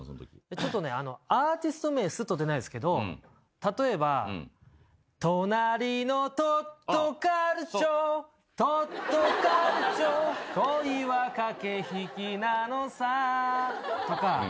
ちょっとね、アーティスト名すっと出ないですけど、例えば、隣のトットカルチョ、トットカルチョ、こいは駆け引きなのさ、とか。